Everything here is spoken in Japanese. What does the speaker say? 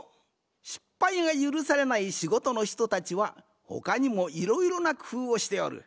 失敗がゆるされないしごとのひとたちはほかにもいろいろなくふうをしておる。